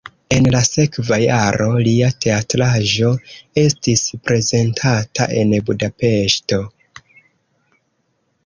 En la sekva jaro lia teatraĵo estis prezentata en Budapeŝto.